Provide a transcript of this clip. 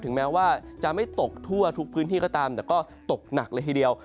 แม้ว่าจะไม่ตกทั่วทุกพื้นที่ก็ตามแต่ก็ตกหนักเลยทีเดียว